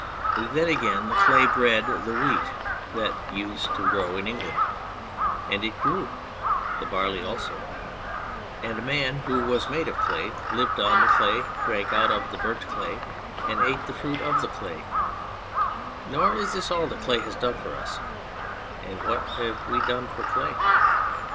Then again, the clay bred the wheat that used to grow in England, and it grew the barley also, and man, who was made of clay, lived on the clay, drank out of the burnt clay, and ate the fruit of the clay ; nor is this all that clay has done for us (and what have we done for clay